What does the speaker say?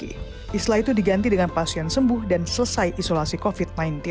setelah itu diganti dengan pasien sembuh dan selesai isolasi covid sembilan belas